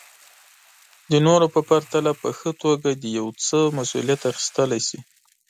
د نورو په پرتله په ښه توګه د يو څه مسوليت اخيستلی شي.